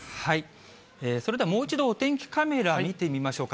それではもう一度、お天気カメラ見てみましょうか。